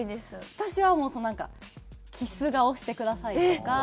私はもうなんか「キス顔してください」とか